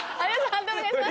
判定お願いします。